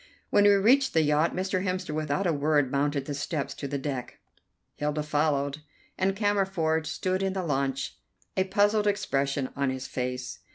When we reached the yacht Mr. Hemster without a word mounted the steps to the deck. Hilda followed, and Cammerford stood in the launch, a puzzled expression on his face.